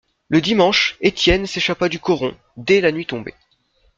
Le dimanche, Étienne s'échappa du coron, dès la nuit tombée.